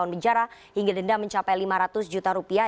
sehingga denda mencapai lima ratus juta rupiah